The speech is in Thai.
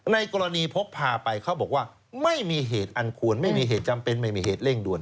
ในกรณีพกพาไปเขาบอกว่าไม่มีเหตุอันควรไม่มีเหตุจำเป็นไม่มีเหตุเร่งด่วน